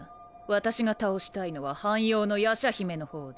私が倒したいのは半妖の夜叉姫の方だ。